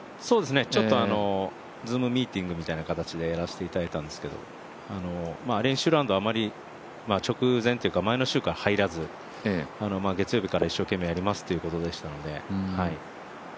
ちょっとＺｏｏｍミーティングという感じでやらせていただいたんですけど練習ラウンドはあまり、直前というか前の週から入らず月曜日から一生懸命やりますということでしたので。